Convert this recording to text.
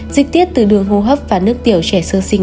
dịch tiết từ đường hô hấp và nước tiểu trẻ sơ sinh